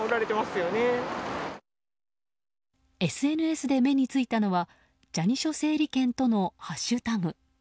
ＳＮＳで目に付いたのはジャニショ整理券とのハッシュタグ。